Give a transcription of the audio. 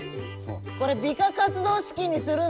これ美化活動資金にするんだよ！